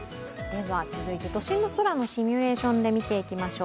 都心の空のシミュレーションで見ていきましょう。